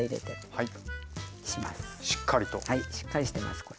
はいしっかりしてますこれ。